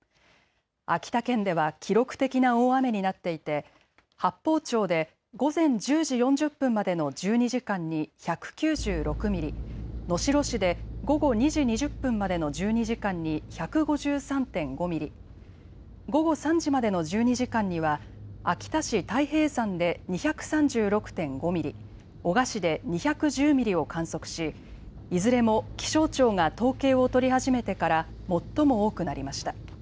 秋田県では記録的な大雨になっていて八峰町で午前１０時４０分までの１２時間に１９６ミリ、能代市で午後２時２０分までの１２時間に１５３．５ミリ、午後３時までの１２時間には秋田市太平山で２３６．５ミリ、男鹿市で２１０ミリを観測しいずれも気象庁が統計を取り始めてから最も多くなりました。